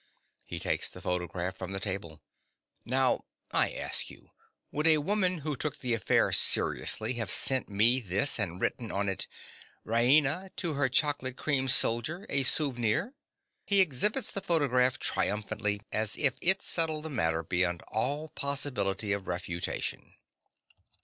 (He takes the photograph from the table.) Now, I ask you, would a woman who took the affair seriously have sent me this and written on it: "Raina, to her chocolate cream soldier—a souvenir"? (_He exhibits the photograph triumphantly, as if it settled the matter beyond all possibility of refutation.